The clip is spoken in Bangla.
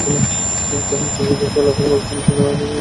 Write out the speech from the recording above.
মুক্তিযুদ্ধ চলাকালে পাকিস্তান সেনাবাহিনী সেখানে ক্যাম্প স্থাপন করে।